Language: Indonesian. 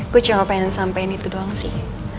gue cuma pengen sampein itu doang sih